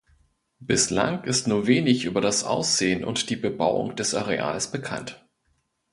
Bislang ist nur wenig über das Aussehen und die Bebauung des Areals bekannt.